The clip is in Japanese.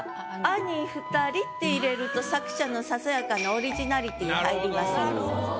「兄二人」って入れると作者のささやかなオリジナリティー入ります。